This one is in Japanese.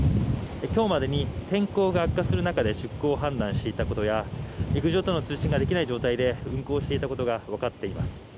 今日までに天候が悪化する中で出港を判断していたことや陸上との通信ができない状態で運航していたことがわかっています。